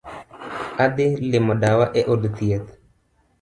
Adhii limo dawa e od thieth